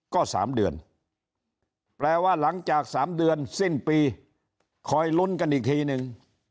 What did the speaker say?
ก็๓เดือนแปลว่าหลังจาก๓เดือนสิ้นปีคอยลุ้นกันอีกทีนึง